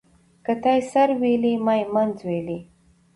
ـ که تا يې سر ويلى ما يې منځ ويلى.